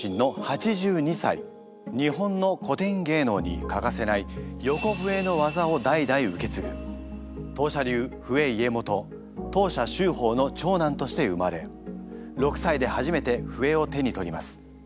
日本の古典芸能に欠かせない横笛の技を代々受け継ぐ藤舎流笛家元藤舎秀の長男として生まれ６歳で初めて笛を手に取ります。